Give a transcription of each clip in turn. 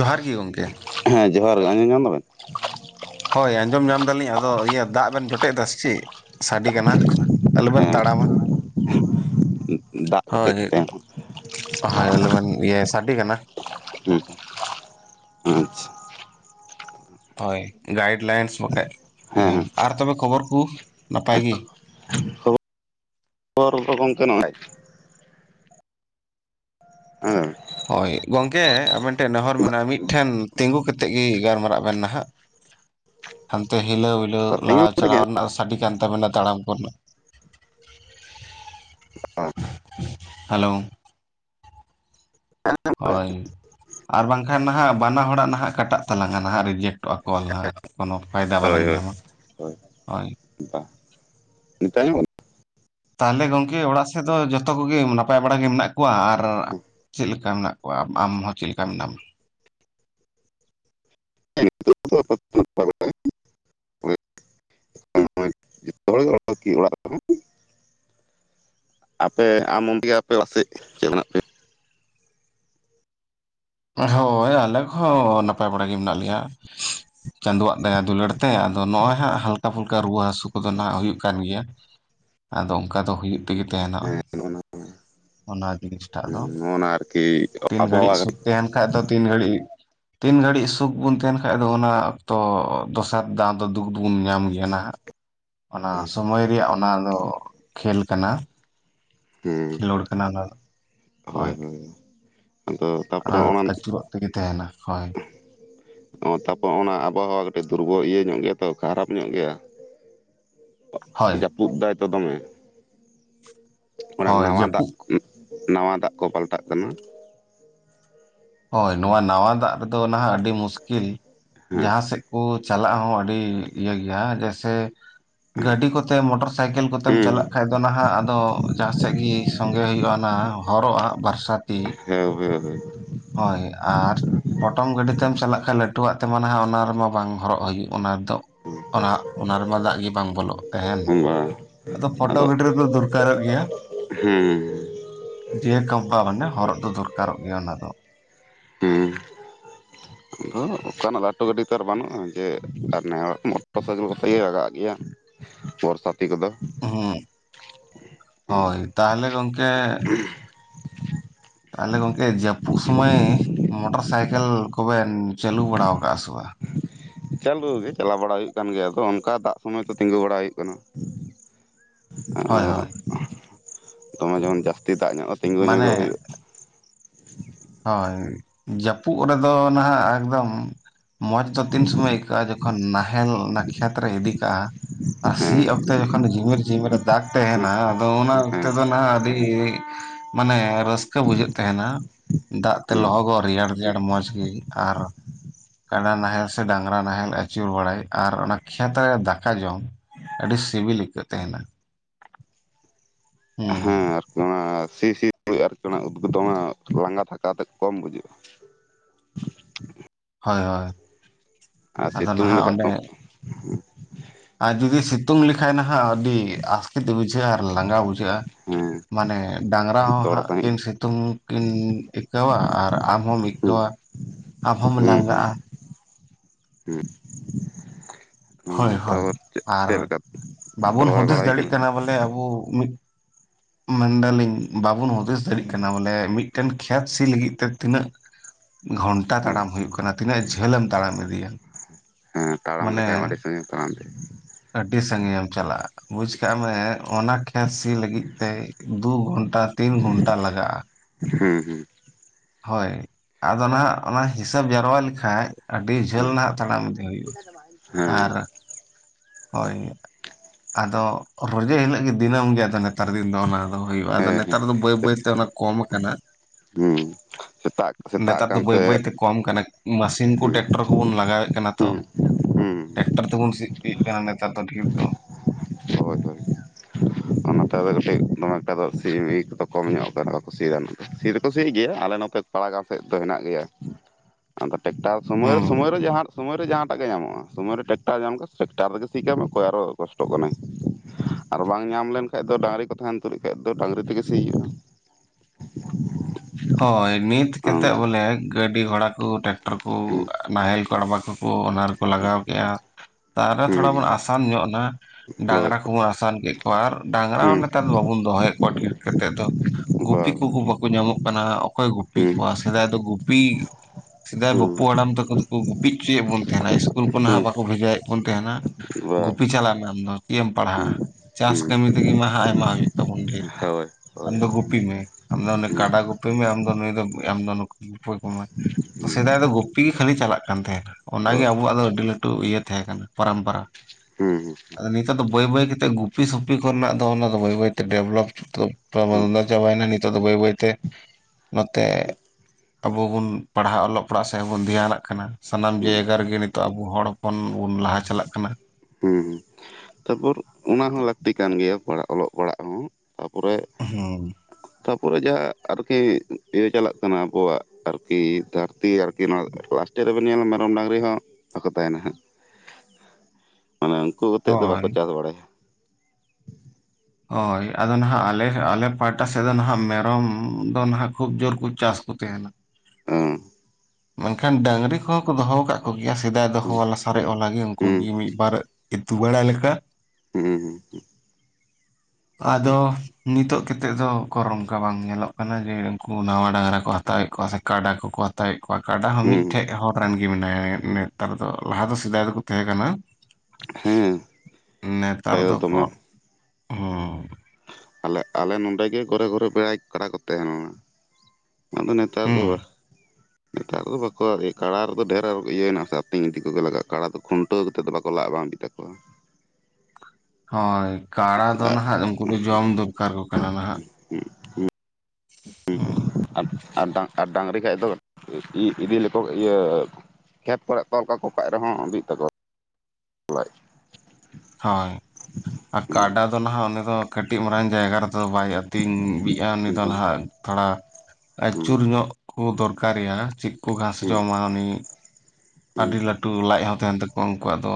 ᱡᱚᱦᱟᱨ ᱜᱤ ᱜᱚᱝᱠᱮ ᱾ ᱦᱮᱸ ᱡᱚᱦᱟᱨ ᱜᱮ, ᱟᱸᱡᱚᱢ ᱧᱟᱢᱫᱟᱵᱮᱱ? ᱦᱳᱭ ᱟᱸᱡᱚᱢ ᱧᱟᱢ ᱫᱟᱞᱤᱧ, ᱟᱫᱚ ᱤᱭᱟᱹ ᱫᱟᱜ ᱵᱮᱱ ᱡᱚᱴᱮᱫ ᱫᱟ ᱥᱮ ᱪᱮᱜ, ᱥᱟᱰᱮ ᱠᱟᱱᱟ? ᱟᱞᱩᱵᱮᱱ ᱦᱮᱸ ᱛᱟᱲᱟᱢᱟ ᱾ ᱫᱟᱜ ᱦᱳᱭ ᱠᱟᱹᱴᱤᱡ ᱦᱤᱵ, ᱛᱮ ᱦᱮᱸ ᱦᱚᱭ ᱟᱞᱩᱵᱮᱱ ᱤᱭᱟᱹᱭᱟ ᱥᱟᱰᱤ ᱠᱟᱱᱟ ᱾ ᱦᱩᱸ ᱾ ᱟᱪᱪᱷᱟ ᱾ ᱦᱳᱭ ᱜᱟᱭᱤᱰ ᱞᱟᱭᱤᱱᱥ ᱵᱟᱠᱷᱟᱡ ᱦᱩᱸ, ᱦᱮᱸ ᱟᱨ ᱛᱚᱵᱮ ᱠᱷᱚᱵᱚᱨ ᱠᱚ ᱱᱟᱯᱟᱭ ᱦᱮᱸ ᱜᱮ? ᱛᱚ ᱜᱚᱢᱠᱮ ᱱᱚᱜᱚᱭ, ᱦᱳᱭ ᱜᱚᱝᱠᱮ ᱟᱵᱮᱱ ᱴᱷᱮᱱ ᱱᱮᱦᱚᱨ ᱢᱮᱱᱟᱜᱼᱟ ᱢᱤᱜᱴᱷᱮᱱ ᱛᱤᱸᱜᱩ ᱠᱟᱛᱮᱜ ᱜᱤ ᱜᱟᱞᱢᱟᱨᱟᱜ ᱵᱮᱱ ᱱᱟᱦᱟᱜ ᱾ [inaudible] ᱦᱟᱱᱛᱮ ᱦᱤᱞᱟᱹᱣ ᱦᱤᱞᱟᱹᱣ ᱫᱟᱜ ᱛᱤᱸᱜᱩ ᱞᱟᱲᱟᱣ ᱪᱟᱞᱟᱣ ᱨᱮᱜᱮ ᱨᱮᱱᱟᱜ ᱥᱟᱰᱤ ᱠᱟᱱ ᱛᱟᱵᱮᱱᱟ ᱛᱟᱲᱟᱢ ᱠᱚ ᱨᱮᱱᱟᱜ ᱾ ᱦᱮᱞᱳ, ᱦᱳᱭ, ᱟᱨ ᱵᱟᱝᱠᱷᱟᱱ ᱱᱟᱦᱟᱜ ᱵᱟᱱᱟ ᱦᱚᱲᱟᱜ ᱱᱟᱦᱟᱜ ᱠᱟᱴᱟᱜ ᱛᱟᱞᱟᱝᱟ ᱱᱟᱦᱟᱜ ᱨᱤᱡᱮᱠᱴᱚᱜᱼᱟ᱾ ᱠᱚᱞ ᱱᱟᱜ ᱠᱳᱱᱳ ᱯᱷᱟᱭᱫᱟ ᱵᱟᱞᱟᱝ ᱧᱟᱢᱟ ᱦᱳᱭ ᱾ ᱵᱟᱝ, ᱱᱤᱛᱟᱹᱜ ᱟᱸᱡᱚᱢ ᱛᱟᱦᱞᱮ ᱜᱚᱝᱠᱮ ᱚᱲᱟᱜ ᱥᱮᱜ ᱫᱚ ᱡᱚᱛᱚ ᱠᱚᱜᱮ ᱱᱟᱯᱟᱭ ᱵᱟᱲᱟ ᱜᱮ ᱢᱮᱱᱟᱜ ᱠᱚᱣᱟ? ᱟᱨ ᱪᱮᱫ ᱞᱮᱠᱟ ᱢᱮᱱᱟᱜ ᱠᱚᱣᱟ ᱟᱢ ᱦᱚ ᱪᱮᱫ ᱞᱮᱠᱟ ᱢᱮᱱᱟᱢᱟ? [unintelligible] ᱡᱚᱛᱚ ᱦᱚᱲ ᱜᱮ ᱚᱲᱟᱜ ᱠᱚᱨᱮ ᱜᱮ ᱾ ᱟᱯᱮ ᱟᱢ ᱚᱱᱛᱮ ᱟᱯᱮ ᱯᱟᱥᱮᱡ ᱪᱮᱫ ᱦᱮᱱᱟᱜ ᱯᱮᱭᱟ? [unintelligible] ᱦᱳᱭ ᱟᱞᱮ ᱠᱚᱦᱚᱸ ᱱᱟᱯᱟᱭ ᱵᱟᱲᱟ ᱜᱮ ᱢᱮᱱᱟᱜ ᱞᱮᱭᱟ ᱾ ᱪᱟᱸᱫᱳᱣᱟᱜ ᱫᱟᱭᱟ ᱫᱩᱞᱟᱹᱲ ᱛᱮ ᱟᱫᱚ ᱱᱚᱜᱼᱚᱭ ᱦᱟᱜ ᱦᱟᱞᱠᱟᱼ ᱯᱩᱞᱠᱟᱹ ᱨᱩᱣᱟᱹ ᱦᱟᱹᱥᱩ ᱠᱚᱫᱚ ᱦᱟᱸᱜ ᱦᱩᱭᱩᱜ ᱠᱟᱱ ᱜᱮᱭᱟ ᱾ ᱟᱫᱚ ᱚᱱᱠᱟ ᱫᱚ ᱦᱩᱭᱩᱜ ᱛᱮᱜᱮ ᱛᱟᱦᱮᱱᱟ ᱦᱮᱸ ᱚᱱᱟ ᱡᱤᱱᱤᱥᱴᱟᱜ ᱫᱚ ᱱᱚᱜᱼᱚ ᱱᱟ ᱟᱨᱠᱤ ᱛᱤᱱ ᱟᱵᱚᱦᱟᱣᱟ ᱜᱷᱟᱹᱲᱤᱡ ᱥ ᱠᱟᱹᱴᱤᱡ ᱛᱟᱦᱮᱱ ᱠᱷᱟᱡ ᱫᱚ ᱛᱤᱱ ᱜᱷᱟᱹᱲᱤᱡ ᱛᱤᱱ ᱜᱷᱟᱹᱲᱤᱡ ᱥᱩᱠ ᱵᱚᱱ ᱛᱟᱦᱮᱱ ᱠᱷᱟᱡ ᱫᱚ ᱚᱱᱟ ᱚᱠᱛᱚ ᱫᱚᱥᱟᱨ ᱫᱷᱟᱣ ᱫᱚ ᱫᱩᱠ ᱫᱚᱵᱚᱱ ᱧᱟᱢ ᱜᱮᱭᱟ ᱚᱱᱟ ᱾ ᱚᱱᱟ ᱥᱚᱢᱚᱭ ᱨᱮᱭᱟᱜ ᱚᱱᱟ ᱫᱚ ᱠᱷᱮᱞ ᱠᱟᱱᱟ ᱾ ᱦᱮᱸ ᱠᱷᱮᱞᱳᱰ ᱠᱟᱱᱟ ᱚᱱᱟ ᱫᱚ ᱾ ᱦᱳᱭ ᱦᱳᱭ, ᱟᱫᱚ ᱛᱟᱯᱚᱨᱮ ᱚᱱᱟᱫᱚ ᱚᱱᱟ ᱟᱹᱪᱩᱨᱚᱜ ᱛᱮᱜᱮ ᱛᱟᱦᱮᱱᱟ ᱦᱳᱭ ᱾ ᱛᱟᱯᱚᱨ ᱚᱱᱟ ᱟᱵᱚᱦᱟᱣᱟ ᱠᱟᱹᱴᱤᱡ ᱫᱩᱨᱵᱚᱞ ᱤᱭᱟᱹ ᱧᱚᱜ ᱜᱮᱭᱟ ᱛᱚ ᱠᱷᱟᱨᱟᱯ ᱧᱚᱜ ᱜᱮᱭᱟ ᱾ ᱦᱳᱭ, ᱡᱟᱹᱯᱩᱫ ᱫᱟᱭ ᱛᱚ ᱫᱚᱢᱮ ᱾ ᱚᱱᱟ ᱦᱳᱭ ᱱᱟᱣᱟ ᱫᱟᱜ ᱡᱟᱹᱯᱩᱫ ᱱᱟᱣᱟ ᱫᱟᱜ ᱠᱚ ᱯᱟᱞᱴᱟᱜ ᱠᱟᱱᱟ ᱾ ᱦᱳᱭ ᱱᱚᱣᱟ ᱱᱟᱣᱟ ᱫᱟᱜ ᱨᱮᱫᱚ ᱱᱟᱦᱟᱜ ᱟᱹᱰᱤ ᱢᱩᱥᱠᱤᱞ ᱦᱮᱸ ᱡᱟᱦᱟᱸ ᱥᱮᱫ ᱠᱚ ᱪᱟᱞᱟᱜ ᱦᱚᱸ ᱟᱹᱰᱤ ᱤᱭᱟᱹ ᱜᱮᱭᱟ ᱡᱮᱭᱥᱮ, ᱜᱟᱹᱰᱤ ᱠᱚᱛᱮ ᱢᱚᱴᱚᱨ ᱥᱟᱭᱠᱮᱞ ᱠᱚᱛᱮᱢ ᱦᱩᱸ ᱪᱟᱞᱟᱜ ᱠᱷᱟᱡ, ᱟᱫᱚ ᱱᱟᱦᱟᱜ ᱟᱫᱚ ᱡᱟᱦᱟᱸ ᱥᱮᱫ ᱜᱮ ᱥᱚᱸᱜᱮ ᱦᱩᱭᱩᱜᱼᱟ ᱚᱱᱟ ᱦᱚᱨᱚᱜᱼᱟᱜ ᱵᱚᱨᱥᱟᱛᱤ᱾ ᱦᱮᱸ ᱦᱮᱸ ᱦᱮᱸ, ᱦᱳᱭ ᱟᱨ ᱯᱚᱴᱚᱢ ᱜᱟᱹᱰᱤ ᱛᱮᱢ ᱪᱟᱞᱟᱜ ᱠᱷᱟᱱ ᱞᱟᱹᱴᱩᱣᱟᱜ ᱛᱮᱢᱟ ᱱᱟᱦᱟᱜ ᱚᱱᱟ ᱨᱮᱢᱟ ᱵᱟᱝ ᱦᱚᱨᱚᱜ ᱦᱩᱭᱩᱜ ᱚᱱᱟ ᱾ ᱱᱤᱛᱚᱜ ᱚᱱᱟ ᱚᱱᱟ ᱨᱮᱢᱟ ᱫᱟᱜ ᱜᱮ ᱵᱟᱝ ᱵᱚᱞᱚᱜ ᱛᱟᱦᱮᱱ ᱾ ᱦᱳᱭ ᱵᱟ ᱟᱫᱚ ᱯᱳᱴᱳᱢ ᱜᱟᱹᱰᱤ ᱨᱮᱫᱚ ᱫᱚᱨᱠᱟᱨᱚᱜ ᱜᱮᱭᱟ ᱾ ᱦᱮᱸ, ᱫᱮᱠᱟᱢᱯ ᱢᱟᱱᱮ ᱦᱚᱨᱚᱜ ᱫᱚ ᱫᱚᱨᱠᱟᱨᱚᱜ ᱜᱮᱭᱟ ᱚᱱᱟ ᱫᱚ ᱾ ᱦᱮᱸ, ᱚᱱᱠᱟᱱᱟᱜ ᱞᱟᱹᱴᱩ ᱜᱟᱹᱰᱤ ᱛᱚ ᱟᱨ ᱵᱟᱹᱱᱩᱜᱼᱟ ᱡᱮ ᱟᱨ ᱱᱮ ᱦᱚᱲ ᱢᱚᱴᱚᱨ ᱥᱟᱭᱠᱮᱞ ᱠᱚᱛᱮ ᱜᱮ ᱞᱟᱜᱟᱜ ᱜᱮᱭᱟ ᱾ ᱵᱚᱨᱥᱟᱛᱤ ᱠᱚᱫᱚ, ᱦᱩᱸ ᱦᱳᱭ ᱛᱟᱦᱚᱞᱮ ᱜᱚᱝᱠᱮ ᱛᱟᱦᱞᱮ ᱜᱚᱝᱠᱮ ᱡᱟᱹᱯᱩᱫ ᱥᱩᱢᱟᱹᱭᱻ ᱢᱚᱴᱚᱨ ᱥᱟᱭᱠᱮᱞ ᱠᱚᱵᱮᱱ ᱪᱟᱹᱞᱩ ᱵᱟᱲᱟ ᱟᱠᱟᱜᱼᱟ ᱥᱮ ᱵᱟᱝ? ᱪᱟᱹᱞᱩ ᱜᱮ, ᱪᱟᱞᱟᱣ ᱵᱟᱲᱟ ᱦᱩᱭᱩᱜ ᱠᱟᱱ ᱜᱮᱭᱟ᱾ ᱟᱫᱚ ᱚᱱᱠᱟ ᱫᱟᱜ ᱥᱚᱢᱚᱭ ᱫᱚ ᱛᱤᱸᱜᱩ ᱵᱟᱲᱟ ᱦᱩᱭᱩᱜ ᱠᱟᱱᱟ᱾ ᱦᱳᱭ ᱦᱳᱭ ᱚᱸᱻ ᱫᱚᱢᱮ ᱡᱮᱢᱚᱱ ᱡᱟᱹᱥᱛᱤ ᱫᱟᱜ ᱧᱚᱜ ᱢᱟᱱᱮ ᱦᱳᱭ, ᱡᱟᱯᱩᱫ ᱨᱮᱫᱚ ᱱᱟᱦᱟᱜ ᱮᱠᱫᱚᱢ ᱢᱚᱸᱡᱽ ᱫᱚ ᱛᱤᱱ ᱥᱚᱢᱚᱭ ᱟᱹᱭᱠᱟᱹᱜᱼᱟ? ᱡᱚᱠᱷᱚᱱ ᱱᱟᱦᱮᱞ ᱚᱱᱟ ᱠᱷᱮᱛ ᱨᱮ ᱤᱫᱤ ᱠᱟᱜᱼᱟ᱾ ᱟᱨ ᱥᱤ ᱦᱮᱸ ᱚᱠᱛᱮ ᱡᱚᱠᱷᱚᱱ ᱡᱷᱤᱢᱤᱨ ᱡᱷᱤᱢᱤᱨ ᱮ ᱫᱟᱜ ᱦᱮᱸ ᱛᱟᱦᱮᱱᱟ ᱟᱫᱚ ᱚᱱᱟ ᱚᱠᱛᱮ ᱦᱮᱸ ᱫᱚ ᱱᱟᱦᱟᱜ ᱟᱹᱰᱤᱻ ᱢᱟᱱᱮ ᱨᱟᱹᱥᱠᱟᱹ ᱵᱩᱡᱷᱟᱹᱜ ᱛᱟᱦᱮᱱᱟ᱾ ᱫᱟᱜ ᱛᱮ ᱦᱮᱸ ᱞᱚᱦᱚᱜᱚᱜ, ᱨᱮᱭᱟᱲ ᱨᱮᱭᱟᱲ ᱢᱚᱸᱡᱽ ᱜᱤ ᱟᱨ ᱠᱟᱲᱟ ᱱᱟᱦᱮᱞ ᱥᱮ ᱰᱟᱝᱨᱟ ᱱᱟᱦᱮᱞ ᱟᱹᱪᱩᱨ ᱵᱟᱲᱟᱭ ᱟᱨ ᱚᱱᱟ ᱠᱷᱮᱛ ᱨᱮ ᱫᱟᱠᱟ ᱡᱚᱢ ᱟᱹᱰᱤ ᱥᱤᱵᱤᱞ ᱟᱹᱭᱠᱟᱹᱜ ᱛᱟᱦᱮᱱᱟ᱾ ᱦᱩᱸᱻ᱾ ᱦᱮᱸ ᱟᱨᱠᱤ ᱚᱱᱟ ᱥᱤ ᱥᱤ [unintelligible] ᱟᱨᱠᱤ ᱚᱱᱟ ᱩᱫᱽᱜᱟᱹᱨ ᱫᱟᱜ ᱚᱱᱟ ᱞᱟᱸᱜᱟ ᱛᱷᱟᱠᱟᱣ ᱛᱮᱫ ᱠᱚᱢ ᱵᱩᱡᱷᱟᱹᱜᱼᱟ ᱾ [inaudible] ᱦᱚᱭ ᱦᱚᱭ᱾ ᱟᱨ ᱥᱤᱛᱩᱝ ᱞᱮᱠᱷᱟᱡ ᱫᱚ ᱟᱨ ᱡᱩᱫᱤ ᱥᱤᱛᱩᱝ ᱞᱮᱠᱷᱟᱡ ᱱᱟᱦᱟᱜ ᱟᱹᱰᱤ ᱟᱥᱠᱮᱛ ᱵᱩᱡᱷᱟᱹᱜᱼᱟ ᱟᱨ ᱞᱟᱸᱜᱟ ᱵᱩᱡᱷᱟᱹᱜᱼᱟ᱾ ᱦᱮᱸ ᱢᱟᱱᱮ ᱰᱟᱝᱨᱟ ᱦᱚᱸ ᱛᱚᱲᱟ ᱦᱟᱸᱜ ᱥᱟᱺᱦᱤᱡ ᱠᱤᱱ ᱥᱤᱛᱩᱝ ᱠᱤᱱ ᱟᱹᱭᱠᱟᱹᱣᱟ, ᱟᱨ ᱟᱢ ᱦᱚᱸᱢ ᱦᱩᱸ ᱟᱹᱭᱠᱟᱹᱣᱟ᱾ ᱟᱢ ᱦᱚᱢ ᱞᱟᱸᱜᱟᱜᱼᱟ᱾ ᱦᱮᱸ᱾ ᱦᱳᱭ ᱦᱳᱭ ᱟᱨ ᱵᱟᱵᱚᱱ ᱨᱚᱦᱚᱭ ᱵᱟᱲᱟ ᱦᱩᱫᱤᱥ ᱦᱩᱭᱩᱜ ᱫᱟᱲᱮᱜ ᱠᱟᱱᱟ ᱵᱚᱞᱮ ᱟᱵᱚ ᱢᱤᱫ ᱢᱮ ᱫᱟᱞᱤᱧ ᱵᱟᱵᱚᱱ ᱦᱩᱫᱤᱥ ᱫᱟᱲᱤᱜ ᱠᱟᱱᱟ ᱵᱚᱞᱮ ᱢᱤᱫᱴᱮᱱ ᱠᱷᱮᱛ ᱥᱤ ᱞᱟᱹᱜᱤᱫ ᱛᱮ ᱛᱤᱱᱟᱹᱜ ᱜᱷᱚᱱᱴᱟ ᱦᱩᱸ ᱛᱟᱲᱟᱢ ᱦᱩᱭᱩᱜ ᱠᱟᱱᱟ, ᱛᱤᱱᱟᱹᱜ ᱡᱷᱟᱹᱞ ᱮᱢ ᱛᱟᱲᱟᱢ ᱤᱫᱤᱭᱟ? ᱦᱮᱸ ᱛᱟᱲᱟᱢ ᱢᱟᱱᱮ ᱞᱮᱠᱷᱟᱡ ᱟᱹᱰᱤ ᱥᱟᱺᱜᱤᱧ ᱛᱟᱲᱟᱢ ᱛᱮ᱾ ᱟᱹᱰᱤ ᱥᱟᱺᱜᱤᱧᱮᱢ ᱪᱟᱞᱟᱜᱼᱟ᱾ ᱵᱩᱡᱷ ᱠᱟᱜ ᱢᱮ ᱚᱱᱟ ᱠᱷᱮᱛ ᱥᱤ ᱞᱟᱹᱜᱤᱫ ᱛᱮ ᱫᱩ ᱜᱷᱚᱱᱴᱟ, ᱛᱤᱱ ᱜᱷᱚᱱᱴᱟ ᱞᱟᱜᱟᱜᱼᱟ᱾ ᱦᱩᱸ ᱦᱩᱸ᱾ ᱦᱳᱭ, ᱟᱫᱚ ᱱᱟᱦᱟᱜ ᱚᱱᱟ ᱦᱤᱥᱟᱹᱵ ᱡᱟᱨᱣᱟ ᱞᱮᱠᱷᱟᱡ᱾ ᱟᱹᱰᱤ ᱡᱷᱟᱹᱞ ᱦᱩᱸ ᱱᱟᱦᱟᱜ ᱛᱟᱲᱟᱢ ᱤᱫᱤ ᱦᱩᱭᱩᱜᱼᱟ ᱦᱮᱸ ᱟᱨ ᱦᱳᱭ ᱟᱫᱚ ᱨᱳᱡᱮ ᱦᱤᱞᱳᱜ ᱜᱮ ᱫᱤᱱᱟᱹᱢ ᱜᱮ ᱟᱫᱚ ᱱᱮ ᱛᱟᱨ ᱫᱤᱱ ᱫᱚ ᱚᱱᱟ ᱫᱚ ᱦᱩᱭᱩᱜᱼᱟ, ᱟᱫᱚ ᱦᱮᱸ ᱱᱮᱛᱟᱨ ᱦᱮᱸ ᱫᱚ ᱵᱟᱹᱭ ᱵᱟᱹᱭᱛᱮ ᱚᱱᱟ ᱠᱚᱢ ᱟᱠᱟᱱᱟ᱾ ᱦᱩᱸ᱾ ᱥᱮᱛᱟᱜ ᱥᱮᱛᱟᱜ ᱱᱮᱛᱟᱨ ᱫᱚ ᱠᱟᱱ ᱵᱟᱹᱭ ᱥᱮ ᱵᱟᱹᱭᱛᱮ ᱠᱚᱢ ᱠᱟᱱᱟ, ᱢᱟᱥᱤᱱ ᱠᱚ ᱦᱩᱸ ᱴᱮᱠᱴᱚᱨ ᱠᱚᱵᱚᱱ ᱞᱟᱜᱟᱣᱮᱫ ᱠᱟᱱᱟ ᱛᱚ᱾ ᱦᱩᱸ ᱦᱩᱸ ᱴᱮᱠᱴᱟᱨ ᱛᱮᱵᱚᱱ ᱥᱤ ᱩᱪᱩᱭᱮᱫ ᱠᱟᱱᱟ ᱱᱮᱛᱟᱨ ᱫᱚ ᱰᱷᱤᱨ ᱫᱚ᱾ ᱦᱳᱭ ᱦᱳᱭ᱾ ᱚᱱᱟᱛᱮ ᱟᱫᱚ ᱠᱟᱹᱴᱤᱡ ᱫᱚᱢᱮ ᱮᱠᱴᱟ ᱫᱚ ᱥᱤ ᱢᱤ ᱠᱚᱫᱚ ᱠᱚᱢ ᱧᱚᱜ ᱟᱠᱟᱫᱟ, ᱵᱟᱠᱚ ᱥᱤᱭ ᱫᱟ ᱩᱱᱟᱹᱜ ᱫᱚ ᱥᱤ ᱫᱚ ᱫᱚ ᱥᱤ ᱜᱮᱭᱟ ᱟᱞᱮ ᱱᱚᱛᱮ ᱯᱟᱲᱟ ᱜᱟᱶ ᱥᱮᱫ ᱫᱚ ᱦᱮᱱᱟᱜ ᱜᱮᱭᱟ᱾ ᱟᱫᱚ ᱴᱮᱠᱴᱟᱨ ᱥᱚᱢᱚᱭ ᱨᱮ ᱦᱩᱸ ᱥᱚᱢᱚᱭ ᱨᱮ ᱥᱚᱢᱚᱭ ᱡᱟᱦᱟᱸ ᱴᱟᱜ ᱜᱮ ᱧᱟᱢᱚᱜᱼᱟ ᱾ ᱥᱚᱢᱚᱭ ᱨᱮ ᱴᱮᱠᱴᱟᱨ ᱧᱟᱢ ᱠᱟᱛᱮ ᱴᱮᱠᱴᱟᱨ ᱨᱮᱜᱮ ᱥᱤ ᱠᱟᱜ ᱢᱮ ᱚᱠᱚᱭ ᱟᱨᱚ ᱠᱚᱥᱴᱚᱜ ᱠᱟᱱᱟᱭ᱾ ᱟᱨ ᱵᱟᱝ ᱧᱟᱢ ᱞᱮᱱᱠᱷᱟᱡ ᱫᱚ ᱰᱟᱹᱝᱨᱤ ᱠᱚ ᱛᱟᱦᱮᱱ ᱛᱩᱞᱩᱡ ᱠᱷᱟᱡ ᱫᱚ ᱰᱟᱹᱝᱨᱤ ᱛᱮᱜᱮ ᱥᱤ ᱦᱩᱭᱩᱜᱼᱟ᱾ ᱦᱳᱭ ᱱᱤᱛ ᱦᱩᱭᱩᱜᱼᱟ ᱠᱮᱛᱮᱜ ᱵᱚᱞᱮ ᱜᱟᱹᱰᱤ ᱜᱷᱚᱲᱟ ᱠᱚ ᱴᱨᱟᱠᱴᱚᱨ ᱠᱚ ᱦᱩᱸ ᱱᱟᱦᱮᱞ ᱠᱟᱬᱵᱟ ᱠᱚᱠᱚ ᱚᱱᱟ ᱨᱮᱠᱚ ᱞᱟᱜᱟᱣ ᱠᱮᱜᱼᱟ, ᱛᱚ ᱟᱨᱚ ᱛᱷᱚᱲᱟ ᱦᱩᱸ ᱵᱚᱱ ᱟᱸᱥ ᱥᱟᱱ ᱧᱚᱜ ᱮᱱᱟ ᱦᱩᱸ ᱦᱳᱭ ᱰᱟᱝᱨᱟ ᱠᱚᱵᱚᱱ ᱟᱥᱟᱱ ᱠᱮᱫ ᱠᱚᱣᱟ ᱟᱨ ᱰᱟᱝᱨᱟ ᱦᱩᱸ ᱦᱚᱸ ᱱᱮᱛᱟᱨ ᱫᱚ ᱵᱟᱵᱚᱱ ᱫᱚᱦᱚᱭᱮᱫ ᱠᱚᱣᱟ ᱰᱷᱤᱨ ᱠᱟᱛᱮᱫ ᱫᱚ, ᱵᱟ ᱜᱩᱯᱤ ᱠᱚᱠᱚ ᱵᱟᱠᱚ ᱧᱟᱢᱚᱜ ᱠᱟᱱᱟ᱾ ᱚᱠᱚᱭ ᱜᱩᱯᱤ ᱦᱩᱸ ᱠᱚᱣᱟ? ᱥᱮᱫᱟᱭ ᱫᱚ ᱜᱩᱯᱤ ᱥᱮᱫᱟᱭ ᱦᱩᱸ ᱵᱟᱹᱯᱩ ᱦᱟᱲᱟᱢ ᱛᱟᱠᱚ ᱫᱚᱠᱚ ᱜᱩᱯᱤ ᱦᱚᱪᱚᱭᱮᱫ ᱵᱚᱱ ᱛᱟᱦᱮᱱᱟ ᱥᱤᱥᱠᱩᱞ ᱦᱩᱸ ᱠᱚᱨᱮᱜ ᱵᱟᱠᱚ ᱵᱷᱮᱡᱟᱭᱮᱫ ᱵᱚᱱ ᱛᱟᱦᱮᱱᱟ᱾ ᱵᱟ ᱜᱩᱯᱤ ᱪᱟᱞᱟᱜ ᱢᱮ ᱟᱢᱫᱚ ᱪᱮᱫ ᱮᱢ ᱦᱩᱸ ᱯᱟᱲᱦᱟᱜ-ᱟ᱾ ᱪᱟᱥ ᱦᱩᱸ ᱠᱟᱹᱢᱤ ᱛᱮᱜᱮ ᱢᱟ ᱟᱭᱢᱟ ᱦᱩᱭᱩᱜ ᱛᱟᱵᱚᱱ ᱰᱷᱮᱨ᱾ ᱦᱳᱭ ᱟᱢ ᱦᱳᱭ ᱫᱚ ᱜᱩᱯᱤ ᱢᱮ ᱟᱢ ᱫᱚ ᱚᱱᱮ ᱦᱩᱸ ᱠᱟᱰᱟ ᱜᱩᱯᱤ ᱜᱩᱯᱤ ᱢᱮ ᱟᱢ ᱫᱚ ᱱᱩᱭ ᱫᱚ ᱟᱢ ᱫᱚ ᱱᱩᱠᱩ ᱜᱩᱯᱤᱹᱭ ᱠᱚ ᱢᱟᱭ ᱛᱚ ᱦᱩᱸ ᱥᱮᱫᱟᱭ ᱫᱚ ᱜᱩᱯᱤ ᱜᱮ ᱠᱷᱟᱹᱞᱤ ᱪᱟᱞᱟᱜ ᱠᱟᱱ ᱛᱟᱦᱮᱱᱟ᱾ ᱚᱱᱟ ᱜᱮ ᱦᱳᱭ ᱟᱵᱚᱣᱟᱜ ᱫᱚ ᱟᱹᱰᱤ ᱞᱟᱹᱴᱩ ᱤᱭᱟᱹ ᱛᱟᱦᱮᱸ ᱠᱟᱱᱟ ᱯᱚᱨᱚᱢᱯᱚᱨᱟ᱾ ᱦᱩᱸ ᱦᱩᱸ ᱱᱤᱛᱟᱨ ᱫᱚ ᱵᱟᱹᱭ ᱵᱟᱹᱭᱛᱮ ᱜᱩᱯᱤ ᱥᱩᱯᱤ ᱠᱚᱨᱮᱱᱟᱜ ᱫᱚ ᱚᱱᱟ ᱫᱚ ᱵᱟᱹᱭ ᱵᱟᱹᱭᱛᱮ ᱰᱮᱵᱷᱞᱚᱯ ᱦᱩᱸ ᱦᱩᱸ [inaudible] ᱪᱟᱵᱟᱭᱱᱟ ᱱᱤᱛᱚᱜ ᱫᱚ ᱵᱟᱹᱭ ᱵᱟᱹᱭᱛᱮ᱾ ᱱᱚᱛᱮ ᱟᱵᱚ ᱵᱩᱱ ᱯᱟᱲᱦᱟᱜ ᱚᱞᱚᱜ ᱯᱟᱲᱦᱟᱜ ᱥᱮᱫ ᱵᱚᱱ ᱫᱷᱮᱭᱟᱱᱟᱜ ᱠᱟᱱᱟ᱾ ᱥᱟᱱᱟᱢ ᱦᱩᱸ ᱡᱟᱭᱜᱟ ᱨᱮᱜᱮ ᱱᱤᱛᱚᱜ ᱟᱵᱚ ᱦᱚᱲ ᱦᱚᱯᱚᱱ ᱵᱚᱱ ᱞᱟᱦᱟ ᱪᱟᱞᱟᱜ ᱠᱟᱱᱟ᱾ ᱦᱩᱸ ᱦᱩᱸ ᱛᱟᱯᱚᱨ ᱚᱱᱟ ᱦᱚᱸ ᱞᱟᱹᱠᱛᱤ ᱠᱟᱱ ᱜᱮᱭᱟ ᱯᱟᱲᱦᱟᱜ ᱚᱞᱚᱜ ᱯᱟᱲᱦᱟᱜ ᱦᱚᱸ ᱛᱟᱯᱚᱨᱮ ᱦᱩᱸᱢ ᱛᱟᱯᱚᱨᱮ ᱡᱟᱦᱟᱸ ᱟᱨᱠᱤ ᱤᱭᱟᱹ ᱪᱟᱞᱟᱜ ᱠᱟᱱᱟ ᱟᱵᱚᱣᱟᱜ ᱟᱨᱠᱤ ᱫᱷᱟᱹᱨᱛᱤ ᱟᱨᱠᱤ ᱱᱚᱣᱟ ᱞᱟᱥᱴᱮ ᱨᱮᱵᱚᱱ ᱧᱮᱞᱟ ᱢᱮᱨᱚᱢ ᱰᱟᱝᱨᱤ ᱦᱚᱸ ᱵᱟᱠᱚ ᱛᱟᱦᱮᱱᱟ ᱦᱟᱸᱜ᱾ ᱢᱟᱱᱮ ᱩᱱᱠᱩ ᱟᱛᱮᱫ ᱫᱚ ᱵᱟᱠᱚ ᱦᱳᱭ ᱪᱟᱥ ᱵᱟᱲᱟᱭᱟ᱾ ᱦᱳᱭ ᱟᱫᱚ ᱱᱟᱦᱟᱜ ᱟᱞᱮ ᱟᱞᱮ ᱯᱟᱦᱴᱟ ᱥᱮᱫ ᱫᱚ ᱱᱟᱦᱟᱜ ᱢᱮᱨᱚᱢ ᱫᱚ ᱱᱟᱦᱟᱜ ᱠᱷᱩᱵ ᱡᱳᱨ ᱠᱚ ᱪᱟᱥ ᱠᱩ ᱛᱟᱦᱮᱱᱟ᱾ ᱦᱮᱸ ᱢᱮᱱᱠᱷᱟᱱ ᱰᱟᱹᱝᱨᱤ ᱠᱚᱦᱚᱸ ᱠᱚ ᱫᱚᱦᱚ ᱟᱠᱟᱫ ᱠᱚᱜᱮᱭᱟ ᱥᱮᱫᱟᱭ ᱫᱚᱦᱚᱣᱟᱞᱟ ᱥᱟᱨᱮᱡ ᱚᱞᱟᱜᱮ ᱩᱱᱠᱩ ᱦᱩᱸ ᱜᱮ ᱢᱤᱫᱵᱟᱨ᱾ ᱤᱛᱩ ᱵᱟᱲᱟ ᱞᱮᱠᱟ᱾ ᱦᱩᱸ ᱦᱩᱸ ᱦᱩᱸ ᱟᱫᱚ ᱱᱤᱛᱚᱜ ᱠᱟᱛᱮᱫ ᱫᱚ ᱩᱠᱩᱨ ᱚᱱᱠᱟ ᱵᱟᱝ ᱧᱮᱞᱚᱜ ᱠᱟᱱᱟ ᱡᱮ ᱩᱱᱠᱩ ᱱᱟᱣᱟ ᱰᱟᱝᱨᱟ ᱠᱚ ᱦᱟᱛᱟᱣᱮᱫ ᱠᱚᱣᱟ ᱥᱮ ᱠᱟᱰᱟ ᱠᱚᱠᱚ ᱦᱟ- ᱛᱟᱣ ᱮᱫ ᱠᱚᱣᱟ ᱠᱟᱰᱟ ᱦᱚᱸ ᱦᱩᱸ ᱢᱤᱫᱴᱷᱮᱡ ᱦᱚᱲ ᱨᱮᱱ ᱜᱮ ᱢᱮᱱᱟᱭᱟ ᱱᱮᱛᱟᱨ ᱫᱚ ᱞᱟᱦᱟ ᱫᱚ ᱥᱮᱫᱟᱭ ᱫᱚᱠᱚ ᱛᱟᱦᱮᱸ ᱠᱟᱱᱟ᱾ ᱦᱮᱸ ᱱᱮᱛᱟᱨ ᱫᱚ ᱯᱟᱭᱨᱟᱜ ᱠᱚ ᱫᱚᱢᱮ ᱟᱞᱮ ᱟᱞᱮ ᱱᱚᱰᱮ ᱜᱮ ᱜᱷᱚᱨᱮ ᱜᱷᱚᱨᱮ ᱵᱮᱲᱟᱭ ᱠᱟᱰᱟ ᱠᱚ ᱛᱟᱦᱮᱸ ᱞᱮᱱᱟ᱾ ᱟᱫᱚ ᱱᱮᱛᱟᱨ ᱫᱚ ᱵᱟᱝ᱾ ᱦᱩᱸ ᱱᱮᱛᱟᱨ ᱫᱚ ᱵᱟᱠᱚ ᱟᱫᱮᱜ-ᱟ, ᱠᱟᱲᱟ ᱨᱮᱫᱚ ᱰᱷᱮᱨ ᱤᱭᱟᱹᱭᱮᱱᱟ ᱥᱮ ᱟᱯᱤᱧ ᱤᱫᱤ ᱠᱚᱜᱮ ᱞᱟᱜᱟᱜ-ᱟ᱾ ᱠᱟᱰᱟ ᱫᱚ ᱠᱷᱩᱱ- ᱴᱟᱹᱣ ᱠᱟᱛᱮᱫ ᱫᱚ ᱵᱟᱠᱚ ᱞᱟᱜ ᱵᱟᱝ ᱵᱤᱜ ᱛᱟᱠᱚᱣᱟ᱾ ᱦᱳᱭ ᱠᱟᱲᱟ ᱫᱚ ᱱᱟᱦᱟᱜ ᱩᱱᱠᱩ ᱫᱚ ᱡᱚᱢ ᱫᱚᱨᱠᱟᱨ ᱠᱚ ᱠᱟᱱᱟ ᱱᱟᱦᱟᱜ᱾ ᱦᱚᱸ ᱟᱨ ᱟᱨ ᱰᱟᱝᱨᱤ ᱠᱷᱟᱡ ᱫᱚ ᱤᱫᱤ ᱞᱮᱠᱚ ᱤᱭᱟᱹ᱾ ᱠᱷᱮᱛ ᱠᱚᱨᱮ ᱛᱚᱞ ᱠᱟᱠᱚ ᱠᱷᱟᱡ ᱨᱮᱦᱚᱸ ᱵᱤᱜ ᱛᱟᱠᱚᱣᱟ [inaudible] ᱦᱳᱭ ᱟᱨ ᱦᱩᱸ ᱠᱟᱰᱟ ᱫᱚ ᱱᱟᱦᱟᱜ ᱩᱱᱤ ᱫᱚ ᱠᱟᱹᱴᱤᱡ ᱢᱟᱨᱟᱝ ᱡᱟᱭᱜᱟ ᱨᱮᱫᱚ ᱵᱟᱭ ᱟᱹᱛᱤᱧ ᱵᱤᱜ ᱠᱮᱭᱟ ᱩᱱᱤ ᱫᱚ ᱦᱩᱸ ᱱᱟᱦᱟᱜ ᱛᱷᱚᱲᱟ ᱟᱹᱪᱩᱨ ᱧᱚᱜ ᱠᱚ ᱫᱚᱨᱠᱟᱨᱮᱭᱟ ᱪᱮᱫ ᱠᱚ ᱜᱷᱟᱥ ᱦᱩᱸ ᱡᱚᱢᱟ ᱩᱱᱤ ᱟᱹᱰᱤ ᱦᱩᱸ ᱞᱟᱹᱴᱩ ᱞᱟᱡ ᱦᱚᱸ ᱛᱟᱦᱮᱱ ᱛᱟᱠᱚᱣᱟ ᱩᱱᱠᱩᱣᱟᱜ ᱫᱚ᱾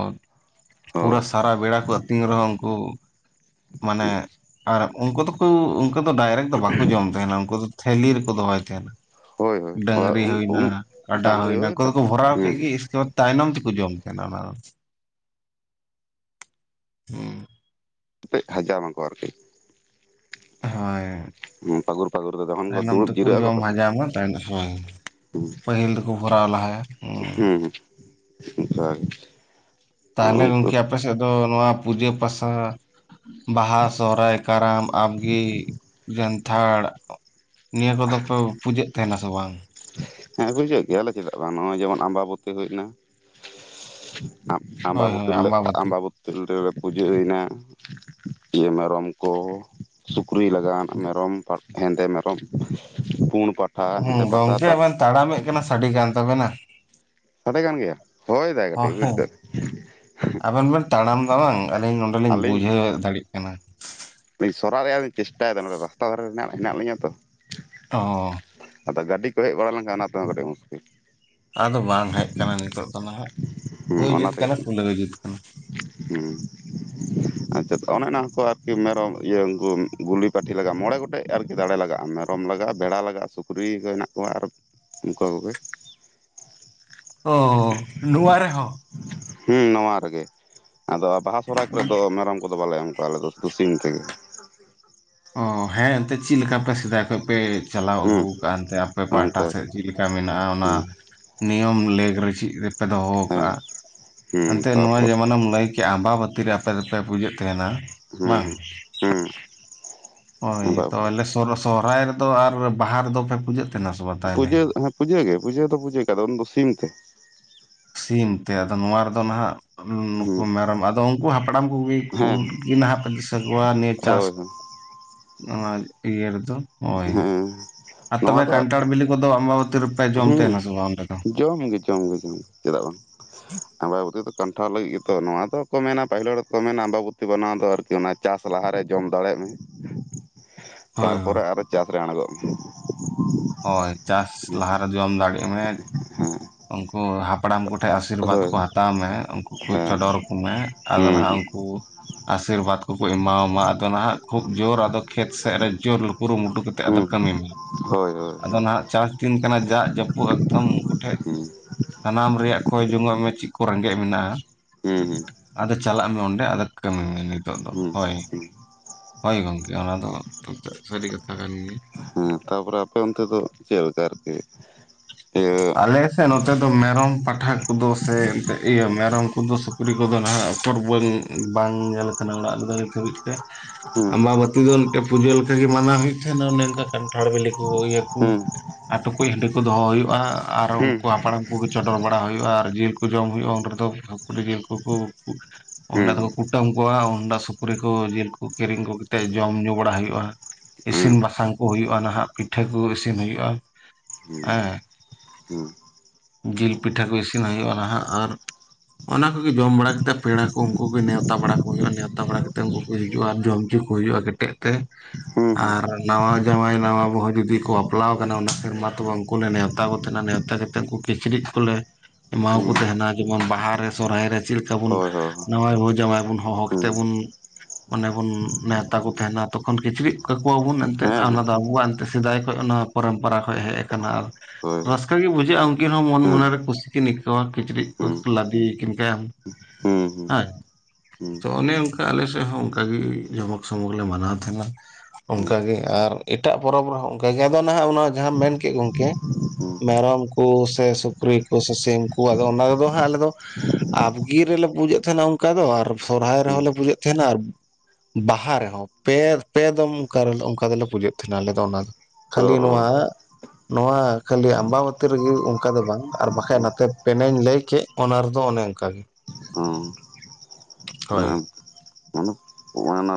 ᱯᱩᱨᱟᱹ ᱦᱳᱭ ᱥᱟᱨᱟ ᱵᱮᱲᱟ ᱠᱚ ᱟᱹᱛᱤᱧ ᱨᱮᱦᱚᱸ ᱩᱱᱠᱩ ᱢᱟᱱᱮ ᱟᱨ ᱩᱱᱠᱩ ᱫᱚᱠᱚ ᱩᱱᱠᱩ ᱫᱚ ᱰᱟᱭᱨᱮᱠ ᱫᱚ ᱵᱟᱠᱚ ᱡᱚᱢ ᱛᱟᱦᱮᱱᱟ, ᱩᱱᱠᱩ ᱫᱚ ᱛᱷᱮᱞᱤ ᱨᱮᱠᱚ ᱫᱚᱦᱚᱭ ᱛᱟᱦᱮᱱᱟ᱾ ᱦᱳᱭ ᱰᱟᱝᱨᱤ ᱦᱩᱭᱱᱟ ᱦᱳᱭ ᱠᱟᱰᱟ ᱰᱟᱝᱨᱤ ᱦᱩᱭᱱᱟ ᱦᱳᱭ ᱚᱠᱚᱭ ᱫᱚᱠᱚ ᱵᱷᱚᱨᱟᱣ- ᱠᱮᱫ ᱦᱮᱸ ᱜᱮ ᱤᱥᱠᱮ ᱛᱟᱭᱱᱚᱢ ᱛᱮᱠᱚ ᱡᱚᱢ ᱛᱟᱦᱮᱸᱱᱟ ᱚᱱᱟ᱾ ᱦᱩᱸ [unintelligible] ᱦᱟᱡᱟᱣ ᱱᱟᱠᱚ ᱟᱨᱠᱤ ᱦᱳᱭ ᱯᱟᱹᱜᱩᱨ ᱯᱟᱹᱜᱩᱨ ᱫᱚ ᱛᱚᱠᱷᱚᱱ ᱠᱚ ᱛᱟᱭᱱᱚᱢ ᱫᱩᱲᱩᱵ ᱛᱮᱠᱚ ᱡᱤᱨᱟᱹᱜ ᱟᱠᱚ ᱡᱚᱢ ᱛᱚᱠᱷᱚᱱ ᱦᱟᱡᱟᱣᱱᱟ ᱛᱟᱭᱚᱢ ᱯᱟᱹᱦᱤᱞ ᱫᱚ ᱠᱚ ᱵᱷᱚᱨᱟᱣ ᱞᱟᱦᱟᱭᱟ᱾ ᱦᱩᱸ ᱦᱮᱸ ᱚᱱᱠᱟᱜᱮ᱾ ᱟᱫᱚ ᱛᱟᱦᱞᱮ ᱩᱱᱠᱩ ᱜᱚᱢᱠᱮ ᱟᱯᱮᱥᱮᱫ ᱫᱚ ᱱᱚᱣᱟ ᱯᱩᱡᱟᱹ ᱯᱟᱥᱟ ᱵᱟᱦᱟ ᱥᱚᱦᱨᱟᱭ ᱠᱟᱨᱟᱢ ᱟᱵᱽᱜᱮ ᱡᱟᱱᱛᱷᱟᱲ ᱱᱤᱭᱟᱹ ᱠᱚᱫᱚ ᱯᱮ ᱯᱩᱡᱚᱜ ᱛᱟᱦᱮᱱᱟ ᱥᱮ ᱵᱟᱝ ᱦᱮᱸ ᱵᱩᱡᱟᱹᱜ ᱜᱮᱭᱟᱞᱮ ᱪᱮᱫᱟᱜ ᱵᱟᱝ ᱱᱚᱜᱼᱚᱭ ᱡᱮᱢᱚᱱ ᱟᱢᱵᱟᱵᱚᱛᱤ ᱦᱩᱭ ᱮᱱᱟ ᱟᱢᱵᱟ ᱦᱳᱭ ᱦᱳᱭ ᱵᱩᱛᱤᱨᱮᱞᱯᱮ ᱟᱢᱵᱟᱵᱚᱛᱤ ᱟᱢᱵᱟ ᱯᱩᱡᱟᱹᱭᱱᱟ ᱤᱭᱟᱹ ᱢᱮᱨᱚᱢ ᱠᱚ ᱥᱩᱠᱨᱤ ᱞᱟᱜᱟᱱᱟ ᱢᱮᱨᱚᱢ ᱦᱮᱸᱫᱮ ᱢᱮᱨᱚᱢ ᱯᱩᱲ ᱯᱟᱴ ᱦᱩᱸ ᱜᱚᱝᱠᱮ ᱵᱮᱱ ᱛᱟᱲᱟᱢᱮᱫ ᱠᱟᱱᱟ ᱥᱟᱰᱮ ᱠᱟᱱ ᱛᱟᱵᱮᱱᱟ ᱥᱟᱰᱮ ᱠᱟᱱ ᱜᱮᱭᱟ ᱦᱳᱭ ᱫᱟᱭ ᱠᱟᱹᱴᱤᱡ ᱵᱩᱡᱽ ᱦᱳᱭ ᱫᱟ ᱟᱵᱮᱱ ᱵᱮᱱ ᱛᱟᱲᱟᱢᱫᱟ ᱵᱟᱝ ᱟᱹᱞᱤᱧ ᱱᱚᱰᱮᱞᱤᱧ ᱵᱩᱡᱷᱟᱹᱣᱮᱫ ᱫᱟᱲᱮᱭᱟᱜ ᱠᱟᱱᱟ ᱥᱚᱨᱟᱣ ᱨᱮᱭᱟᱜ ᱞᱤᱧ ᱪᱮᱥᱴᱟᱭᱮᱫᱟ ᱱᱚᱸᱰᱮ ᱨᱟᱥᱛᱟ ᱫᱷᱟᱨᱮ ᱨᱮᱱᱟᱜ ᱦᱮᱱᱟᱜ ᱞᱤᱧᱟ ᱛᱚ ᱚ ᱟᱫᱚ ᱜᱟᱹᱰᱤ ᱠᱚ ᱦᱮᱡ ᱵᱟᱲᱟ ᱞᱮᱱᱠᱷᱟᱱ ᱚᱱᱟ ᱛᱮᱦᱚᱸ ᱠᱟᱹᱴᱤᱡ ᱢᱩᱥᱠᱤᱞ ᱟᱫᱚ ᱵᱟᱝ ᱦᱮᱡ ᱟᱠᱟᱱᱟ ᱱᱤᱛᱳ ᱫᱚ ᱱᱟᱦᱟᱜ ᱦᱮᱸ ᱦᱩᱭ ᱚᱱᱟ ᱡᱩᱛ ᱠᱟᱱᱟ ᱛᱮᱜᱮ ᱠᱩᱞᱟᱹᱣ ᱡᱩᱛ ᱠᱟᱱᱟ ᱦᱮᱸ ᱟᱪᱪᱷᱟ ᱚᱱᱮ ᱚᱱᱟ ᱠᱚ ᱟᱨᱠᱤ ᱢᱮᱨᱚᱢ ᱤᱭᱟᱹ ᱩᱱᱠᱩ ᱜᱩᱞᱤ ᱯᱟᱹᱴᱷᱤ ᱞᱟᱜᱼᱟ ᱢᱚᱬᱮ ᱜᱚᱴᱮᱡ ᱟᱨᱠᱤ ᱫᱟᱲᱮ ᱞᱟᱜᱟᱜᱼᱟ ᱢᱮᱨᱚᱢ ᱨᱚᱢ ᱞᱟᱜᱟᱜᱼᱟ ᱵᱮᱲᱟ ᱞᱟᱜᱟᱜᱼᱟ ᱥᱩᱠᱨᱤ ᱠᱚ ᱦᱮᱱᱟᱜ ᱠᱚᱣᱟ ᱟᱨ ᱩᱱᱩᱠᱩ ᱠᱚᱜᱮ ᱚ ᱱᱚᱩᱣ ᱨᱮ ᱦᱚᱸ ᱦᱮᱸ ᱱᱚᱣᱟ ᱨᱮᱜᱮ ᱟᱫᱚ ᱵᱟᱦᱟ ᱥᱚᱦᱨᱟᱭ ᱠᱚᱨᱮᱫ ᱫᱚ ᱢᱮᱨᱚᱢ ᱠᱚᱫᱚ ᱵᱟᱞᱮ ᱮᱢ ᱠᱚᱣᱟ ᱟᱞᱮ ᱫᱚ ᱠᱩ ᱥᱤᱢ ᱛᱮᱜᱮ [inaudible] ᱚ ᱦᱮᱸ ᱮᱱᱛᱮᱫ ᱪᱤᱫ ᱞᱮᱠᱟ ᱯᱮ ᱥᱮᱫᱟᱭ ᱠᱷᱚᱡ ᱯᱮ ᱪᱟᱞᱟᱣ ᱦᱮᱸ ᱟᱹᱜᱩ ᱠᱟᱜ ᱟᱯᱮ ᱯᱟᱦᱴᱟ ᱚᱱᱠᱟ ᱥᱮᱫ ᱪᱮᱫ ᱞᱮᱠᱟ ᱢᱮᱱᱟᱜᱼᱟ ᱚᱱᱟ ᱦᱮᱸ ᱱᱤᱭᱚᱢ ᱞᱮᱜᱽ ᱨᱮ ᱪᱮᱫ ᱨᱮᱯᱮ ᱫᱚᱦᱚ ᱦᱮᱸ ᱟᱠᱟᱜᱼᱟ ᱦᱮᱸ ᱮᱱᱛᱮᱜ ᱱᱚᱣᱟ ᱛᱟᱯᱚᱨ ᱡᱮᱢᱚᱱᱮᱢ ᱞᱟᱹᱭ ᱠᱮᱜ ᱟᱢᱵᱟᱵᱚᱛᱤ ᱨᱮ ᱟᱯᱮ ᱫᱚᱯᱮ ᱯᱩᱡᱟᱹᱜ ᱛᱟᱦᱮᱱᱟ ᱦᱮᱸ ᱵᱟᱝ ᱦᱮᱸ ᱦᱮᱸ ᱦᱳᱭ ᱛᱚ ᱟᱞᱮ ᱥᱚᱦᱚᱨᱟᱭ ᱨᱮᱫᱚ ᱟᱨ ᱵᱟᱦᱟ ᱨᱮᱫᱚ ᱯᱮ ᱯᱩᱡᱟᱹᱜ ᱛᱟᱦᱮᱱᱟ ᱥᱮ ᱵᱟᱝ ᱛᱟᱦᱚᱞᱮ ᱯᱩᱡᱟᱹ ᱦᱮᱸ ᱯᱩᱡᱟᱹᱜ ᱜᱮ ᱯᱩᱡᱟᱹ ᱫᱚ ᱯᱩᱡᱟᱹ ᱠᱟᱫᱟ ᱩᱱ ᱫᱚ ᱥᱤᱢ ᱛᱮ ᱥᱤᱢ ᱛᱮ ᱟᱫᱚ ᱱᱚᱣᱟ ᱨᱮᱫᱚ ᱱᱟᱦᱟᱜ ᱱᱩᱠᱩ ᱦᱮᱸ ᱢᱮᱨᱚᱢ ᱟᱫᱚ ᱩᱱᱠᱩ ᱦᱟᱯᱲᱟᱢ ᱠᱚᱜᱮ ᱠᱩ ᱦᱮᱸ ᱱᱟᱦᱟᱜ ᱯᱮ ᱫᱤᱥᱟᱹ ᱠᱚᱣᱟ ᱱᱤᱭᱟᱹ ᱪᱟᱥ [inaudible] ᱱᱚᱣᱟ ᱤᱭᱟᱹ ᱨᱮᱫᱚ ᱦᱳᱭ ᱦᱮᱸ ᱟᱨ ᱱᱚᱣᱟ ᱛᱚᱵᱮ ᱫᱚ ᱠᱟᱱᱴᱷᱟᱲ ᱵᱤᱞᱤ ᱠᱚᱫᱚ ᱟᱢᱵᱟ ᱵᱚᱛᱤ ᱨᱮ ᱯᱮ ᱡᱚᱢ ᱛᱟᱦᱮᱱᱟ ᱥᱮ ᱵᱟᱝ ᱚᱸᱰᱮ ᱫᱚ? ᱡᱚᱢᱜᱮ-ᱡᱚᱢᱜᱮ ᱡᱚᱢ ᱪᱮᱫᱟᱜ ᱵᱟᱝ ᱟᱢᱵᱟᱵᱚᱛᱤ ᱫᱚ ᱠᱟᱱᱴᱷᱟᱲ ᱞᱟᱹᱜᱤᱫ ᱜᱮᱛᱚ ᱱᱚᱣᱟ ᱫᱚᱠᱚ ᱢᱮᱱᱟ ᱯᱟᱹᱦᱤᱞ ᱦᱚᱲᱠᱚ ᱢᱮᱱᱟ ᱟᱢᱵᱟᱵᱚᱛᱤ ᱵᱟᱱᱟᱣ ᱫᱚ ᱟᱨᱠᱤ ᱚᱱᱟ ᱪᱟᱥ ᱞᱟᱦᱟ ᱨᱮ ᱡᱚᱢ ᱫᱟᱲᱮᱜ ᱢᱮ ᱦᱳᱭ ᱛᱟᱨᱯᱚᱨᱮ ᱦᱳᱭ ᱟᱨᱚ ᱪᱟᱥᱨᱮ ᱟᱬᱜᱚᱜ ᱢᱮ ᱾ ᱦᱳᱭ ᱪᱟᱥ ᱞᱟᱦᱟᱨ ᱨᱮ ᱡᱚᱢ ᱫᱟᱲᱮᱜ ᱢᱮ ᱦᱩᱸ ᱩᱱᱠᱩ ᱦᱟᱯᱲᱟᱢ ᱠᱚᱴᱷᱮᱜ ᱟᱥᱤᱨᱵᱟᱫᱽ ᱠᱚ ᱦᱟᱛ ᱛᱟᱣ ᱢᱮ ᱩᱱᱠᱩ ᱠᱚ ᱦᱮᱸ ᱪᱚᱰᱚᱨ ᱟᱠᱚ ᱢᱮ ᱟᱫᱚ ᱱᱟᱦᱟᱜ ᱦᱩᱸ ᱩᱱᱠᱩ ᱟᱥᱤᱨᱵᱟᱫᱽ ᱠᱚᱠᱚ ᱮᱢᱟᱣᱟᱢᱟ ᱟᱫᱚ ᱱᱟᱦᱟᱜ ᱠᱷᱩᱵ ᱡᱳᱨ ᱟᱫᱚ ᱠᱷᱮᱛ ᱥᱮᱫ ᱨᱮ ᱡᱳᱨ ᱠᱩᱨᱩᱢᱩᱴᱩ ᱠᱟᱛᱮᱫ ᱛᱮ ᱟᱫᱚ ᱦᱩᱸ ᱦᱩᱸ ᱠᱟᱹᱢᱤ ᱢᱮ ᱦᱳᱭ ᱦᱳᱭ ᱟᱫᱚ ᱦᱩᱸ ᱱᱟᱦᱟᱜ ᱪᱟᱥ ᱫᱤᱱ ᱠᱟᱱᱟ ᱫᱟᱜ ᱡᱟᱹᱯᱩᱫ ᱮᱠᱫᱚᱢ ᱩᱱᱠᱩ ᱴᱷᱮᱡ ᱦᱩᱸ ᱥᱟᱱᱟᱢ ᱨᱮᱭᱟᱜ ᱠᱚᱭ ᱡᱚᱝᱚᱜ ᱢᱮ ᱪᱮᱫ ᱠᱚ ᱨᱮᱸᱜᱮᱡ ᱢᱮᱱᱟᱜᱼᱟ ᱾ ᱦᱩᱸ ᱟᱫᱚ ᱪᱟᱞᱟᱜ ᱢᱮ ᱚᱸᱰᱮ ᱟᱫᱚ ᱠᱟᱹᱢᱤ ᱢᱮ ᱱᱤᱛᱚᱜ ᱫᱚ ᱦᱩᱸ ᱦᱳᱭ ᱦᱩᱸ ᱦᱳᱭ ᱜᱚᱝᱠᱮ ᱚᱱᱟ ᱫᱚ ᱥᱟᱹᱨᱤ ᱠᱟᱛᱷᱟ ᱠᱟᱱ ᱜᱮᱭᱟ᱾ ᱛᱟᱯᱚᱨᱮ ᱟᱯᱮ ᱚᱱᱛᱮ ᱫᱚ ᱪᱮᱫ ᱞᱮᱠᱟ ᱟᱨᱠᱤ ᱤᱭᱟᱹ ᱥᱮ ᱱᱚᱛᱮ ᱫᱚ ᱢᱮᱨᱚᱢ ᱯᱟᱴᱷᱟ ᱠᱚᱫᱚ ᱥᱮ ᱮᱱᱛᱮᱫ ᱤᱭᱟᱹ ᱢᱮᱨᱚᱢ ᱠᱚᱫᱚ ᱥᱩᱠᱨᱤ ᱠᱚᱫᱚ ᱱᱟᱦᱟᱜ ᱩᱯᱚᱨ ᱵᱟᱹ ᱵᱟᱝ ᱧᱮᱞ ᱠᱟᱱᱟ ᱚᱲᱟᱜ ᱨᱮᱫᱚ ᱱᱤᱛ ᱦᱟᱹᱵᱤᱡ ᱛᱮ ᱦᱩᱸ ᱟᱢᱵᱟᱵᱩᱛᱤ ᱛᱤ ᱫᱚ ᱢᱤᱫᱴᱮᱱ ᱯᱩᱡᱟᱹ ᱞᱮᱠᱟ ᱜᱮ ᱢᱟᱱᱟᱣ ᱦᱩᱭᱩᱜ ᱛᱟᱦᱮᱸᱱᱟ, ᱚᱱᱮ ᱚᱱᱠᱟ ᱠᱟᱱᱴᱷᱟᱲ ᱵᱮᱞᱮ ᱠᱚ ᱤᱭᱟᱹ ᱠᱩ ᱦᱩᱸ ᱟᱨ ᱴᱩᱠᱩᱡ ᱦᱟᱺᱰᱤ ᱠᱚ ᱫᱚᱦᱚ ᱦᱩᱭᱩᱜᱼᱟ ᱟᱨ ᱦᱩᱸ ᱩᱱᱠᱩ ᱦᱟᱯᱲᱟᱢ ᱠᱚᱜᱮ ᱪᱚᱰᱚᱨ ᱵᱟᱲᱟ ᱦᱩᱭᱩᱜᱼᱟ, ᱟᱨ ᱡᱤᱞ ᱠᱚ ᱡᱚᱢ ᱦᱩᱭᱩᱜᱼᱟ, ᱩᱱ ᱨᱮᱫᱚ ᱥᱩᱠᱨᱤ ᱡᱤᱞ ᱠᱚᱠᱚ ᱦᱩᱸ ᱚᱸᱰᱮ ᱦᱩᱸ ᱫᱚᱠᱚ ᱠᱩᱴᱟᱹᱢ ᱠᱚᱣᱟ, ᱚᱸᱰᱮ ᱥᱩᱠᱨᱤ ᱠᱚ ᱡᱤᱞ ᱠᱚ ᱠᱤᱨᱤᱧ ᱠᱚ ᱠᱟᱛᱮᱜ ᱡᱚᱢ ᱧᱩ ᱵᱟᱲᱟ ᱦᱩᱭᱩᱜᱼᱟ ᱾ ᱤᱥᱤᱱ ᱵᱟᱥᱟᱝ ᱠᱚ ᱦᱩᱭᱩᱜᱼᱟ, ᱱᱟᱦᱟᱜ ᱯᱤᱴᱷᱟᱹ ᱠᱚ ᱤᱥᱤᱱ ᱦᱩᱭᱩᱜᱼᱟ ᱾ [inaudible] ᱦᱩᱸ ᱦᱩᱸ ᱡᱤᱞ ᱯᱤᱴᱷᱟᱹ ᱠᱚ ᱤᱥᱤᱱ ᱦᱩᱭᱩᱜᱼᱟ ᱱᱟᱦᱟᱜ ᱟᱨ ᱚᱱᱟ ᱠᱚᱜᱮ ᱡᱚᱢ ᱵᱟᱲᱟ ᱠᱟᱛᱮᱫ ᱯᱮᱲᱟ ᱠᱚ ᱩᱱᱠᱩ ᱠᱚ ᱱᱮᱣᱛᱟ ᱵᱟᱲᱟ ᱠᱚ ᱦᱩᱭᱩᱜᱼᱟ, ᱱᱮᱣᱛᱟ ᱵᱟᱲᱟ ᱠᱟᱛᱮᱫ ᱩᱱᱠᱩ ᱦᱤᱡᱩᱜᱼᱟ, ᱟᱨ ᱡᱚᱢ ᱦᱚᱪᱚ ᱠᱚ ᱦᱩᱭᱩᱜᱼᱟ ᱠᱮᱴᱮᱡ ᱛᱮ ᱦᱩᱸ ᱟᱨ ᱱᱟᱣᱟ ᱡᱟᱶᱟᱭ ᱱᱟᱣᱟ ᱵᱟᱦᱩ ᱡᱩᱫᱤ ᱠᱚ ᱵᱟᱯᱞᱟ ᱟᱠᱟᱱᱟ ᱚᱱᱟ ᱥᱮᱨᱢᱟ ᱛᱚᱵᱮ ᱠᱚᱞᱮ ᱱᱮᱶᱛᱟ ᱠᱚ ᱛᱟᱦᱮᱱᱟ, ᱱᱮᱶᱛᱟ ᱠᱟᱛᱮ ᱠᱩ ᱠᱤᱪᱨᱤ ᱠᱚᱞᱮ ᱮᱢᱟ ᱠᱚ ᱦᱩᱸ ᱛᱟᱦᱮᱱᱟ, ᱡᱮᱢᱚᱱ ᱵᱟᱦᱟ ᱨᱮ ᱥᱚᱦᱚᱨᱟᱭ ᱨᱮ ᱪᱮᱫ ᱞᱮᱠᱟ ᱵᱚᱱ ᱦᱳᱭ ᱦᱳᱭ ᱱᱟᱶᱟᱭ ᱵᱟᱦᱩ ᱡᱟᱶᱟᱭ ᱵᱚᱱ ᱦᱚᱦᱚ ᱦᱩᱸ ᱠᱟᱛᱮᱫ ᱵᱚᱱ ᱢᱟᱱᱮ ᱵᱚᱱ ᱱᱮᱣᱛᱟ ᱠᱚ ᱛᱟᱦᱮᱱᱟ᱾ ᱛᱚᱠᱷᱚᱱ ᱠᱤᱪᱨᱤᱡ ᱠᱟᱠᱚᱣᱟᱵᱚᱱ ᱮᱱᱛᱮᱫ ᱦᱮᱸ ᱚᱱᱟ ᱦᱮᱸ ᱫᱚ ᱟᱵᱚᱣᱟᱜ ᱮᱱᱛᱮ ᱥᱮᱫᱟᱭ ᱠᱷᱚᱡ ᱚᱱᱟ ᱯᱚᱨᱚᱢ ᱯᱚᱨᱟ ᱠᱷᱚᱱ ᱦᱮᱡ ᱟᱠᱟᱱᱟ ᱟᱨ ᱦᱳᱭ ᱦᱩᱸ ᱨᱟᱹᱥᱠᱟᱹ ᱜᱮ ᱵᱩᱡᱷ ᱟᱜ-ᱟ, ᱩᱱᱠᱤᱱ ᱦᱚᱸ ᱦᱩᱸ ᱢᱚᱱ-ᱢᱚᱱᱮᱨᱮ ᱠᱩᱥᱤ ᱠᱤᱱ ᱟᱹᱭᱠᱟᱹᱣᱟ ᱠᱤᱪᱨᱤᱡ ᱠᱚ ᱦᱩᱸ ᱞᱟᱫᱮ ᱟᱠᱤᱱ ᱠᱷᱟᱱ᱾ ᱦᱩᱸ, ᱦᱩᱸ ᱾ ᱦᱮᱸ ᱛᱚ ᱚᱱᱮ ᱚᱱᱠᱟ ᱟᱞᱮ ᱥᱮᱫ ᱦᱚᱸ ᱚᱱᱠᱟ ᱜᱮ ᱡᱚᱢᱚᱠ-ᱥᱚᱢᱚᱠ ᱞᱮ ᱢᱟᱱᱟᱣ ᱛᱟᱦᱮᱱᱟ ᱾ ᱚᱱᱠᱟ ᱜᱮ ᱟᱨ ᱮᱴᱟᱜ ᱯᱚᱨᱚᱵᱽ ᱨᱮᱦᱚᱸ ᱚᱱᱠᱟ ᱜᱮ ᱟᱫᱚ ᱱᱟᱦᱟᱜ ᱚᱱᱟ ᱡᱟᱦᱟᱸᱢ ᱢᱮᱱ ᱠᱮᱜ ᱜᱚᱝᱠᱮ ᱢᱮᱨᱚᱢ ᱠᱚ ᱥᱮ ᱥᱩᱠᱨᱤ ᱠᱚ ᱥᱮ ᱥᱤᱢ ᱠᱚ ᱟᱫᱚ ᱚᱱᱟ ᱨᱮᱫᱚ ᱦᱟᱸᱜ ᱟᱞᱮ ᱫᱚ ᱟᱯᱜᱤ ᱨᱮᱞᱮ ᱯᱩᱡᱟᱹᱜ ᱛᱟᱦᱮᱱᱟ ᱚᱱᱠᱟ ᱫᱚ, ᱟᱨ ᱥᱚᱨᱦᱟᱭ ᱦᱩᱸ ᱨᱮᱦᱚᱸ ᱞᱮ ᱯᱩᱡᱟᱹᱜ ᱛᱟᱦᱮᱱᱟ ᱟᱨ ᱵᱟᱦᱟ ᱨᱮᱦᱚᱸ ᱯᱮ-ᱯᱮ ᱫᱚᱢ ᱚᱱᱠᱟ ᱨᱮ ᱚᱱᱠᱟ ᱫᱚᱞᱮ ᱯᱩᱡᱟᱹᱜ ᱛᱟᱦᱮᱱᱟ ᱟᱞᱮ ᱫᱚ ᱚᱱᱟ ᱫᱚ᱾ ᱚ ᱠᱷᱟᱹᱞᱤ ᱚ ᱱᱚᱣᱟ, ᱱᱚᱣᱟ ᱠᱷᱟᱹᱞᱤ ᱟᱢᱵᱟ ᱵᱚᱛᱤ ᱨᱮᱜᱮ ᱚᱱᱠᱟ ᱫᱚ ᱵᱟᱝ ᱟᱨ ᱵᱟᱠᱷᱟᱡ ᱦᱩᱸ ᱱᱟᱛᱮ ᱯᱮᱱᱮᱧ ᱞᱟᱹᱭ ᱠᱮᱫ ᱚᱱᱟ ᱨᱮᱫᱚ ᱚᱱᱮ ᱚᱱᱠᱟ ᱜᱮ ᱾ ᱦᱩᱸ ᱾ ᱦᱳᱭ ᱾ ᱚᱱᱟ